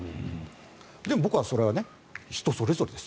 でも僕はそれは人それぞれです。